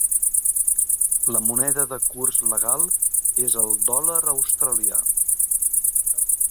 La moneda de curs legal és el dòlar australià.